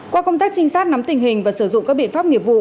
qua công tác trinh sát nắm tình hình và sử dụng các biện pháp nghiệp vụ